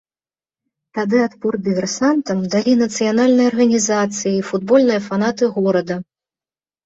Тады адпор дыверсантам далі нацыянальныя арганізацыі і футбольныя фанаты горада.